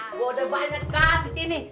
gue udah banyak kasih ini